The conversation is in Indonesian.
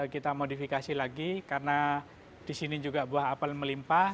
kita modifikasi lagi karena di sini juga buah apel melimpah